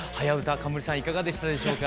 冠さんいかがでしたでしょうか？